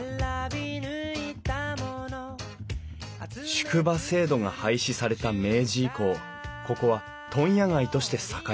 宿場制度が廃止された明治以降ここは問屋街として栄えた。